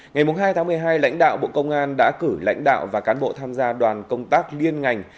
ngày hai tháng một mươi hai lãnh đạo bộ công an đã cử lãnh đạo và cán bộ tham gia đoàn công tác liên ngành